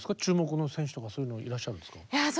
注目の選手とかそういうのいらっしゃるんですか？